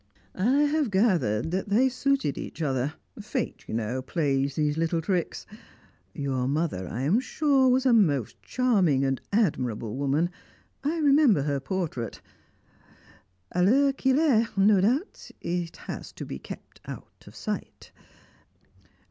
I have gathered that they suited each other fate, you know, plays these little tricks. Your mother, I am sure, was a most charming and admirable woman I remember her portrait. A l'heure qu'il est, no doubt, it has to be kept out of sight.